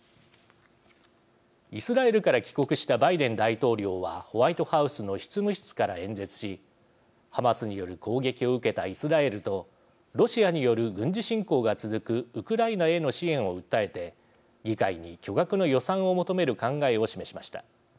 イスラエルから帰国したバイデン大統領はホワイトハウスの執務室から演説しハマスによる攻撃を受けたイスラエルとロシアによる軍事侵攻が続くウクライナへの支援を訴えて議会に巨額の予算を求める考えを示しました。